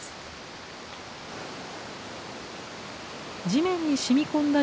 地面にしみ込んだ